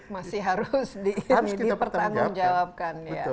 masih harus dipercaya dipertanggung jawabkan